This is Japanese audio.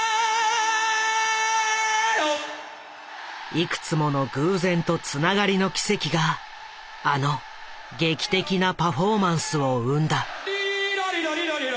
いくつもの偶然とつながりの奇跡があの劇的なパフォーマンスを生んだ。